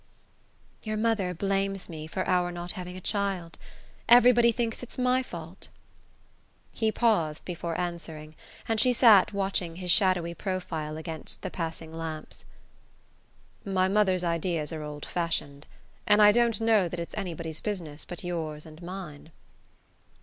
"Your mother blames me for our not having a child. Everybody thinks it's my fault." He paused before answering, and she sat watching his shadowy profile against the passing lamps. "My mother's ideas are old fashioned; and I don't know that it's anybody's business but yours and mine."